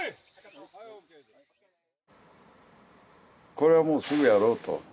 これはもうすぐやろうと。